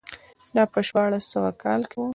دا په شپاړس سوه کال کې و.